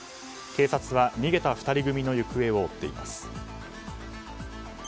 警察は、逃げた２人組の行方を追っています。